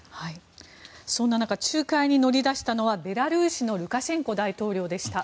そんな中仲介に乗り出したのはベラルーシのルカシェンコ大統領でした。